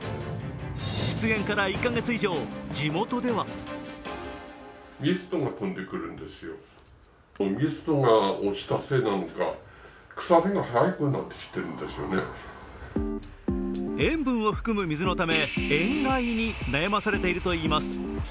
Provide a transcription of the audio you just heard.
出現から１か月以上、地元では塩分を含む水のため塩害に悩まされているといいます。